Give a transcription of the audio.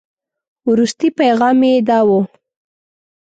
وروستي پيغام یې داو.